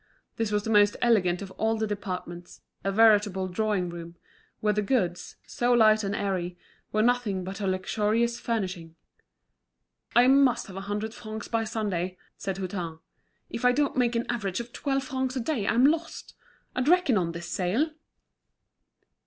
This was the most elegant of all the departments, a veritable drawing room, where the goods, so light and airy, were nothing but a luxurious furnishing. "I must have a hundred francs by Sunday," said Hutin. "If I don't make an average of twelve francs a day, I'm lost. I'd reckoned on this sale."